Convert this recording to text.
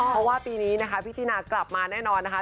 เพราะว่าปีนี้นะคะพี่ตินากลับมาแน่นอนนะคะ